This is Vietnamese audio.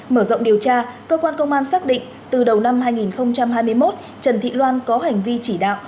mở rộng điều tra cơ quan công an xác định từ đầu năm hai nghìn hai mươi một trần thị loan có hành vi chỉ đạo